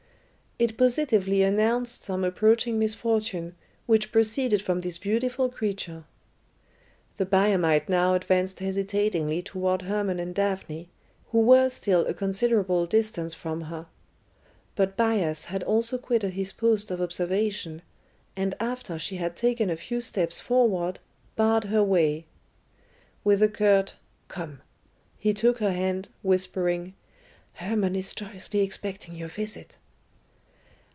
It positively announced some approaching misfortune which proceeded from this beautiful creature. The Biamite now advanced hesitatingly toward Hermon and Daphne, who were still a considerable distance from her. But Bias had also quitted his post of observation, and after she had taken a few steps forward, barred her way. With a curt "Come," he took her hand, whispering, "Hermon is joyously expecting your visit."